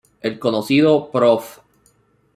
El conocido Prof.